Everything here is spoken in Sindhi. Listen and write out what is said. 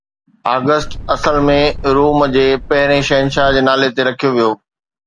آگسٽ اصل ۾ روم جي پهرين شهنشاهه جي نالي تي رکيو ويو.